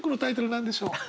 何でしょう？